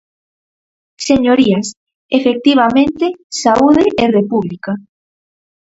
Señorías, efectivamente, ¡saúde e República!